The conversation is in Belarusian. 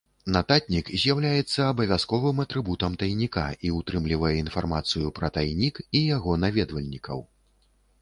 Нататнік з'яўляецца абавязковым атрыбутам тайніка і ўтрымлівае інфармацыю пра тайнік і яго наведвальнікаў.